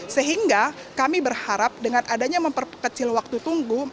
sehingga kami berharap dengan adanya memperkecil waktu tunggu